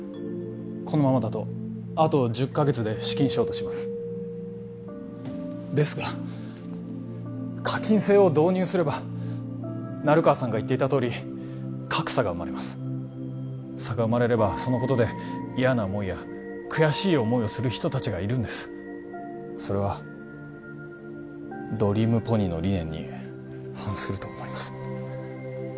このままだとあと１０カ月で資金ショートしますですが課金制を導入すれば成川さんが言っていたとおり格差が生まれます差が生まれればそのことで嫌な思いや悔しい思いをする人達がいるんですそれはドリームポニーの理念に反すると思います